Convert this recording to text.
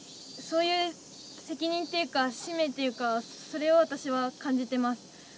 そういう責任というか使命というかそれを私は感じてます。